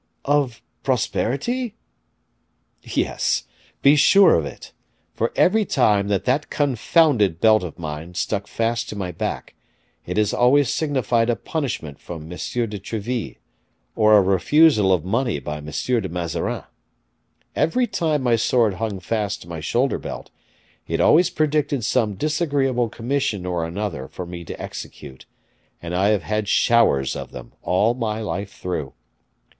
"Of prosperity?" "Yes, be sure of it; for every time that that confounded belt of mine stuck fast to my back, it always signified a punishment from M. de Treville, or a refusal of money by M. de Mazarin. Every time my sword hung fast to my shoulder belt, it always predicted some disagreeable commission or another for me to execute, and I have had showers of them all my life through.